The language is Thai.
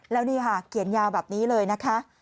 แล้วนี่ค่ะเขียนยาวแบบนี้เลยนะคะ